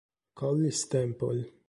Collis Temple